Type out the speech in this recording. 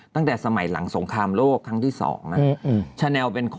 ตั้งแต่สมัยหลังสงครามโลกครั้งที่๒นะ